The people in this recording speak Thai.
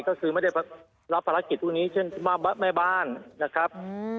ก็คือไม่ได้รับภารกิจพวกนี้เช่นแม่บ้านนะครับ